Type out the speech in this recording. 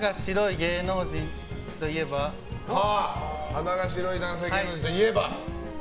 肌が白い男性芸能人といえば？